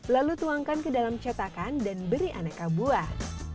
lalu tuangkan ke dalam cetakan dan beri aneka buah